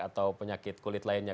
atau penyakit kulit lainnya